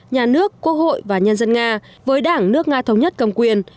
nhà nước quốc hội và nhân dân nga với đảng nước nga thống nhất cầm quyền